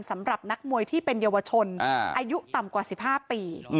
สำหรับนักมวยที่เป็นเยาวชนอายุต่ำกว่า๑๕ปี